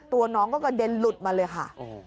ตัวน้องก็กระเด็นหลุดมาเลยค่ะ